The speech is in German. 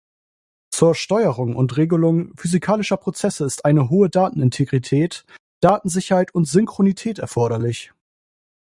Zur Steuerung und Regelung physikalischer Prozesse ist eine hohe Datenintegrität, Datensicherheit und Synchronität erforderlich.